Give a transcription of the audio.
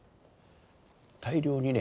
大量にね